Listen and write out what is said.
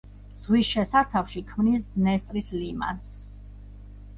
ზღვის შესართავში ქმნის დნესტრის ლიმანს.